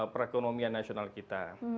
perekonomian nasional kita